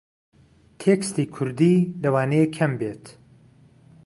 تێکستی کووردی لەوانەیە کەم بێت